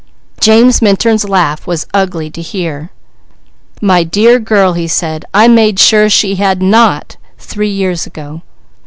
James Minturn's laugh was ugly to hear. "My dear girl," he said. "I made sure she had not three years ago."